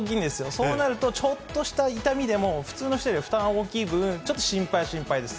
そうなると、ちょっとした痛みでも、普通の人より負担大きい分、ちょっと心配は心配です。